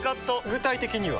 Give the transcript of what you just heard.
具体的には？